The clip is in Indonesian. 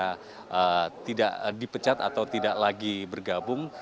karena tidak dipecat atau tidak lagi bergabung